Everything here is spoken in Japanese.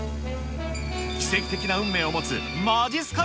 奇跡的な運命を持つまじっすか